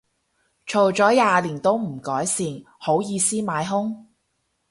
嘈咗廿年都唔改善，好意思買兇